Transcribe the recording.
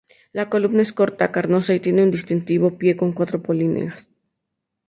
La columna es corta, carnosa y tiene un distintivo pie con cuatro polinias.